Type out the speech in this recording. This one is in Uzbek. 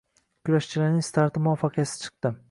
Kurashchilarning starti muvaffaqiyatsiz chiqdi